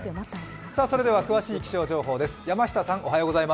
詳しい気象情報です。